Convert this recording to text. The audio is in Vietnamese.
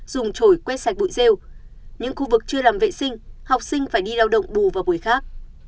dùng trổi quét sạch bụi rêu những khu vực chưa làm vệ sinh học sinh phải đi lao động bù vào buổi khác